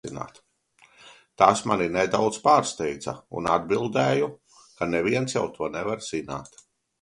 Tas mani nedaudz pārsteidza, un atbildēju, ka neviens jau to nevar zināt.